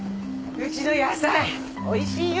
うちの野菜美味しいよ。